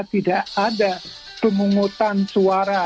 tidak ada pengungutan suara